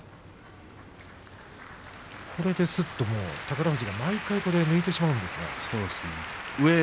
これで、すっと宝富士が毎回抜いてしまうんですね。